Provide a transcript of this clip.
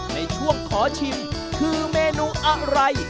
ในช่วงขอชิมคือเมนูอะไร